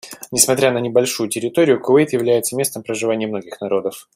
Несмотря на небольшую территорию, Кувейт является местом проживания многих народов.